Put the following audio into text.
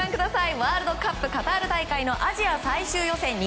ワールドカップカタール大会のアジア最終予選